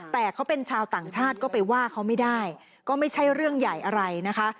แต่เขาเป็นชาวต่างชาติก็ไปว่าเขาไม่ได้ก็ไม่ใช่เรื่องใหญ่อะไรนะคะ